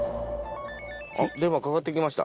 あっ電話かかってきました